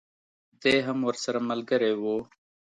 دی هم ورسره ملګری وو.